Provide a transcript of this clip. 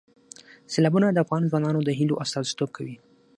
سیلابونه د افغان ځوانانو د هیلو استازیتوب کوي.